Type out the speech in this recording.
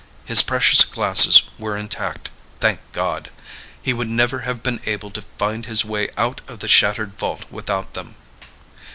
His precious glasses were intact, thank God! He would never have been able to find his way out of the shattered vault without them.